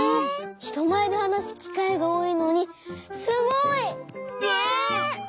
ひとまえではなすきかいがおおいのにすごい！ねえ！